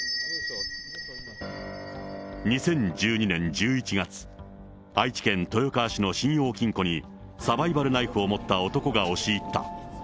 ２０１２年１１月、愛知県豊川市の信用金庫に、サバイバルナイフを持った男が押し入った。